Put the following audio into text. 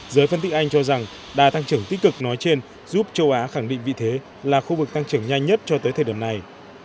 giới phân tích anh cho rằng đa tăng trưởng tích cực nói trên giúp châu á khẳng định vị thế là khu vực tăng trưởng nhanh nhất cho tới thời điểm này